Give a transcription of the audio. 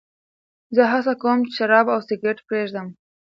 زه هڅه کوم چې شراب او سګرېټ پرېږدم.